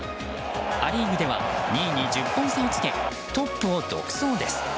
ア・リーグでは２位に１０本差をつけトップを独走です。